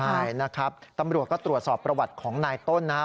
ใช่นะครับตำรวจก็ตรวจสอบประวัติของนายต้นนะครับ